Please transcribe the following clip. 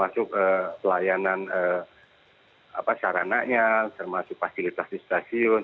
untuk pelayanan apa sarananya termasuk fasilitas distrasiun